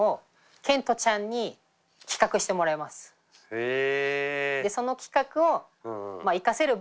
へえ！